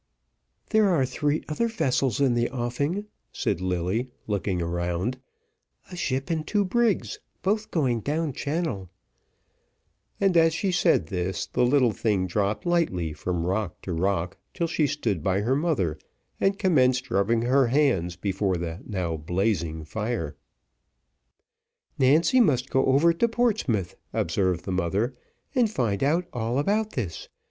"There are three other vessels in the offing," said Lilly, looking round, "a ship and two brigs, both going down channel:" and as she said this, the little thing dropped lightly from rock to rock till she stood by her mother, and commenced rubbing her hands before the now blazing fire. "Nancy must go over to Portsmouth," observed the mother, "and find out all about this.